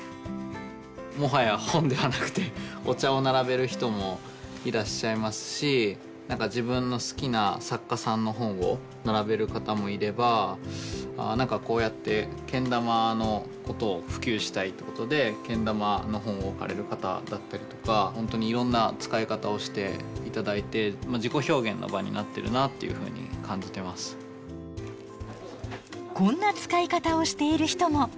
もはや本ではなくてお茶を並べる人もいらっしゃいますし何か自分の好きな作家さんの本を並べる方もいれば何かこうやってけん玉のことを普及したいってことでけん玉の本を置かれる方だったりとか本当にいろんな使い方をして頂いてこんな使い方をしている人も。